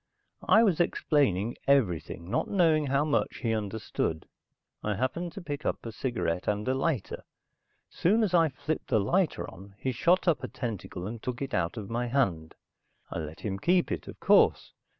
I was explaining everything, not knowing how much he understood. I happened to pick up a cigarette and a lighter. Soon as I flipped the lighter on, he shot up a tentacle and took it out of my hand. I let him keep it, of course.